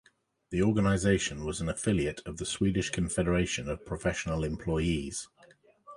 The organization was an affiliate of the Swedish Confederation of Professional Employees.